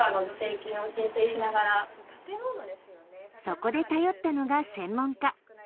そこで頼ったのが専門家。